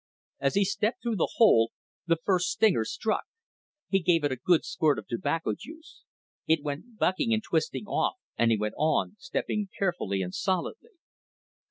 As he stepped through the hole, the first stinger struck. He gave it a good squirt of tobacco juice. It went bucking and twisting off and he went on, stepping carefully and solidly.